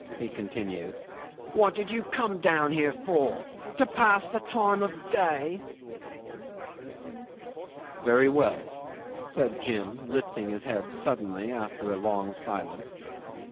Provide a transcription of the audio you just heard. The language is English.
he continued. "What did you come down here for? To pass the time of day?" '"Very well," said Jim, lifting his head suddenly after a long silence.